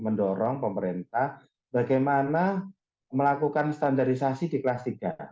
mendorong pemerintah bagaimana melakukan standarisasi di kelas tiga